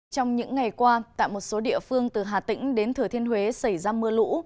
trong những ngày qua tại một số địa phương từ hà tĩnh đến thừa thiên huế xảy ra mưa lũ